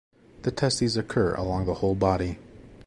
The testes occur along the whole body.